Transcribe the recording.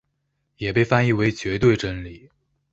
也被翻译为绝对真理。